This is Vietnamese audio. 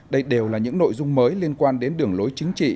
đây đều là những nội dung mới liên quan đến đường lối chính trị